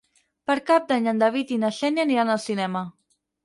Per Cap d'Any en David i na Xènia aniran al cinema.